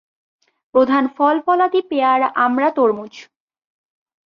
প্রধান ফল-ফলাদি পেয়ারা, আমড়া, তরমুজ।